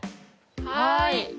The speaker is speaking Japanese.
はい。